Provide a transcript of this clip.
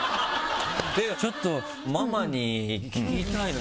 ちょっとママに聞きたいな。